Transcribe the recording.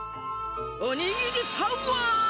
おにぎりパワー！